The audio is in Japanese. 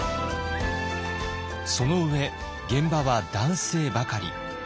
その上現場は男性ばかり。